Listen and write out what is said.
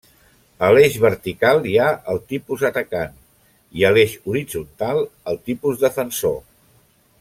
A l'eix vertical hi ha el tipus atacant, i a l'eix horitzontal, el tipus defensor.